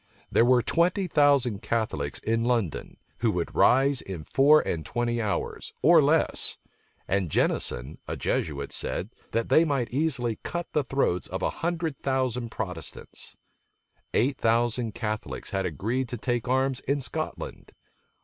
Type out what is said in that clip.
There were twenty thousand Catholics in London, who would rise in four and twenty hours, or less; and Jennison, a Jesuit, said, that they might easily cut the throats of a hundred thousand Protestants. Eight thousand Catholics had agreed to take arms in Scotland.